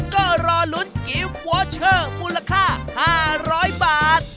ก็รอลุ้นกิฟต์วอเชอร์มูลค่า๕๐๐บาท